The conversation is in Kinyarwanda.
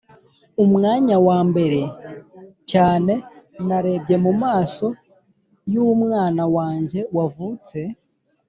umwanya wambere cyane narebye mumaso yumwana wanjye wavutse